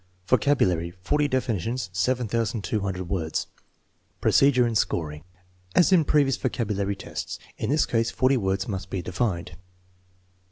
Vocabulary (forty definitions, 7200 words) Procedure and scoring as in previous vocabulary tests. 1 In this case forty words must be defined.